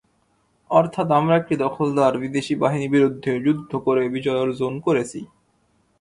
অর্থাৎ, আমরা একটি দখলদার বিদেশি বাহিনীর বিরুদ্ধে যুদ্ধ করে বিজয় অর্জন করেছি।